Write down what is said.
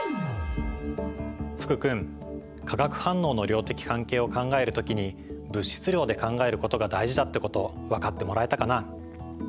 福君化学反応の量的関係を考える時に物質量で考えることが大事だってこと分かってもらえたかな？